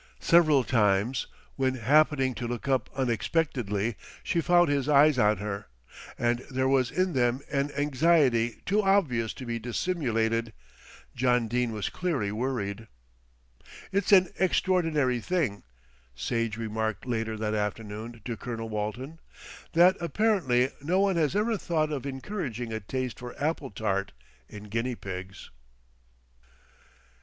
Several times, when happening to look up unexpectedly, she found his eyes on her, and there was in them an anxiety too obvious to be dissimulated. John Dene was clearly worried. "It's an extraordinary thing," Sage remarked later that afternoon to Colonel Walton, "that apparently no one has ever thought of encouraging a taste for apple tart in guinea pigs."